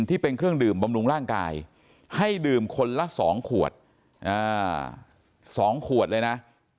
ที่เป็นเครื่องดื่มบำรุงร่างกายให้ดื่มคนละ๒ขวด๒ขวดเลยนะ